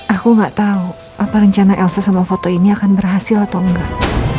aku nggak tahu apa rencana elsa sama foto ini akan berhasil atau enggak